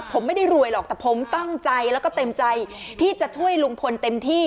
ผมไม่ได้รวยหรอกแต่ผมตั้งใจแล้วก็เต็มใจที่จะช่วยลุงพลเต็มที่